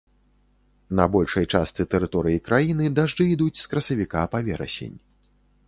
На большай частцы тэрыторыі краіны дажджы ідуць з красавіка па верасень.